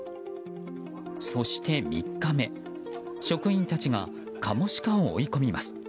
そして、３日目職員たちがカモシカを追い込みます。